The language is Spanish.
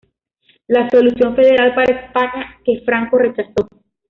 La solución federal para España que Franco rechazó".